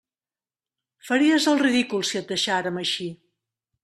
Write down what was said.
Faries el ridícul si et deixàrem eixir.